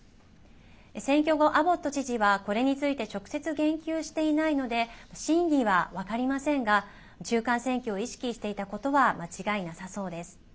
選挙後、アボット知事はこれについて直接、言及していないので真偽は分かりませんが中間選挙を意識していたことは間違いなさそうです。